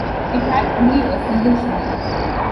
It had only a single showing.